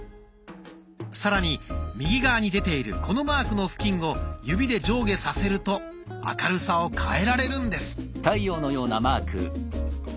さらに右側に出ているこのマークの付近を指で上下させると明るさを変えられるんです。